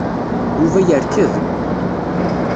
Yuba yerked.